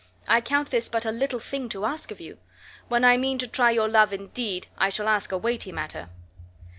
I count this but a little thing to ask of you. When I mean to try your love indeed I shall ask a weighty matter."